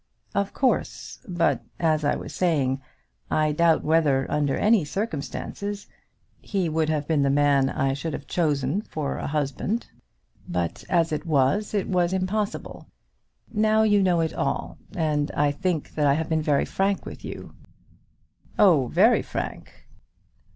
"Of course; but, as I was saying, I doubt whether, under any circumstances, he would have been the man I should have chosen for a husband. But as it was, it was impossible. Now you know it all, and I think that I have been very frank with you." "Oh! very frank."